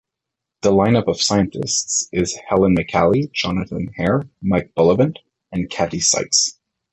The line-up of scientists is Ellen McCallie, Jonathan Hare, Mike Bullivant, and Kathy Sykes.